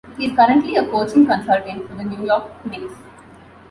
He is currently a coaching consultant for the New York Knicks.